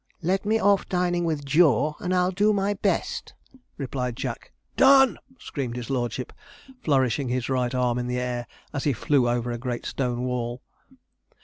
'Let me off dining with Jaw, and I'll do my best,' replied Jack. 'Done!' screamed his lordship, flourishing his right arm in the air, as he flew over a great stone wall.